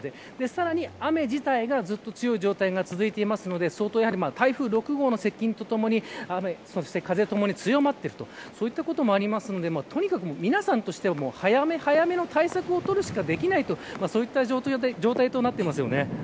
さらに雨自体がずっと強い状態が続いているので台風６号の接近とともに雨、風ともに強まっているということもあるのでとにかく皆さんとしては早め早めの対策を取るしかできないとそういった状態となっています。